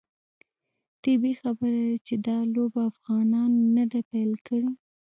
طبیعي خبره ده چې دا لوبه افغانانو نه ده پیل کړې.